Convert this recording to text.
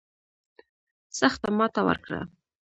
سخته ماته ورکړه.